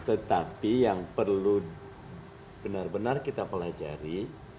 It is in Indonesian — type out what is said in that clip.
tetapi yang perlu benar benar kita pelajari